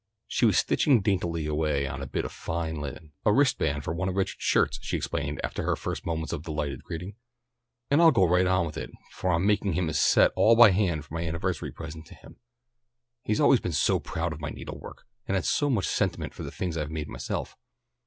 She was stitching daintily away on a bit of fine linen. "A wristband for one of Richard's shirts," she explained, after her first moments of delighted greeting. "And I'll go right on with it, for I'm making him a set all by hand for my anniversary present to him. He's always been so proud of my needlework and had so much sentiment for the things I've made myself.